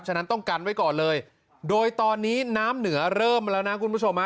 ฉะนั้นต้องกันไว้ก่อนเลยโดยตอนนี้น้ำเหนือเริ่มแล้วนะคุณผู้ชมฮะ